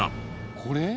これ。